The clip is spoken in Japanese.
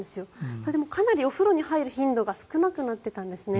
それでかなりお風呂に入る頻度が少なくなっていたんですね。